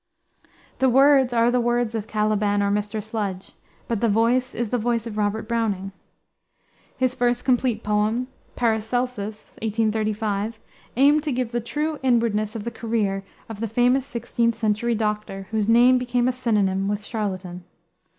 The words are the words of Caliban or Mr. Sludge; but the voice is the voice of Robert Browning. His first complete poem, Paracelsus, 1835, aimed to give the true inwardness of the career of the famous 16th century doctor, whose name became a synonym with charlatan.